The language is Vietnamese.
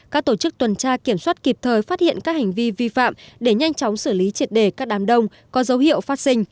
các tổ chức tuần tra kiểm soát kịp thời phát hiện các hành vi vi phạm để nhanh chóng xử lý triệt đề các đám đông có dấu hiệu phát sinh